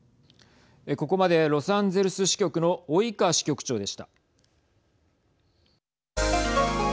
ここまで、ロサンゼルス支局の及川支局長でした。